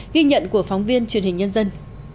ghi nhận của phóng viên truyền hình nhân dân